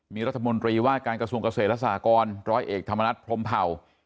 มีรัฐมนตรีว่าการกระทรวงเกษตรและสหกรร้อยเอกธรรมนัฐพรมเผ่า